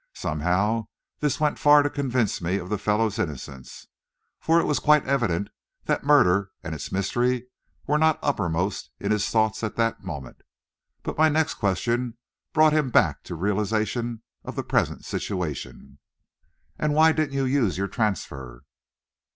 Somehow this went far to convince me of the fellow's innocence for it was quite evident the murder and its mystery were not uppermost in his thoughts at that moment. But my next question brought him back to realization of the present situation. "And why didn't you use your transfer?"